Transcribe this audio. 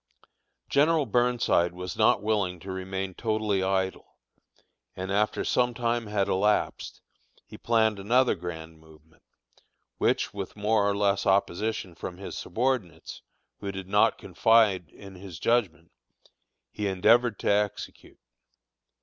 General Burnside was not willing to remain totally idle, and, after some time had elapsed, he planned another grand movement, which, with more or less opposition from his subordinates, who did not confide in his judgment, he endeavored to execute.